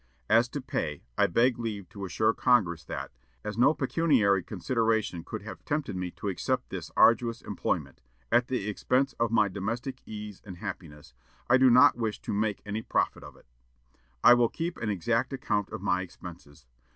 As to pay, I beg leave to assure the Congress that, as no pecuniary consideration could have tempted me to accept this arduous employment, at the expense of my domestic ease and happiness, I do not wish to make any profit of it. I will keep an exact account of my expenses.